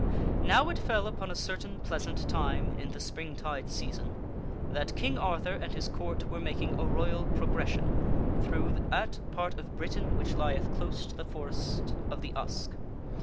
NOW it fell upon a certain pleasant time in the Springtide season that King Arthur and his Court were making a royal progres sion through that part of Britain which lieth close to the Forests of the Usk.